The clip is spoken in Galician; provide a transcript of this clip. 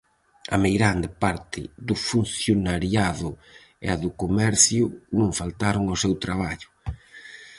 A meirande parte do funcionariado e do comercio non faltaron ao seu traballo.